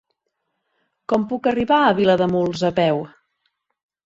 Com puc arribar a Vilademuls a peu?